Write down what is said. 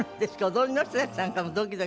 踊りの人たちなんかもドキドキでね。